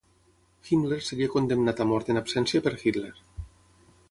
Himmler seria condemnat a mort en absència per Hitler.